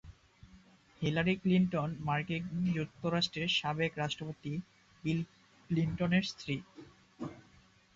Hillary Clinton মার্কিন যুক্তরাষ্ট্রের সাবেক রাষ্ট্রপতি বিল ক্লিনটনের স্ত্রী।